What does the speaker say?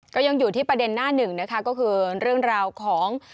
ก็ยังอยู่ที่ประเด็นหน้าหนึ่งนะคะก็คือเรื่องราวของ